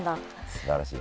すばらしい。